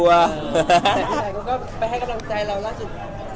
แต่ที่ไหนก็ไปให้กระดับใจเราล่ะจน